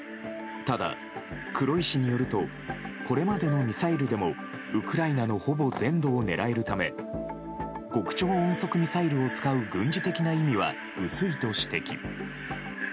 ただ、黒井氏によるとこれまでのミサイルでもウクライナのほぼ全土を狙えるため極超音速ミサイルを使う軍事的な意味は薄いと指摘。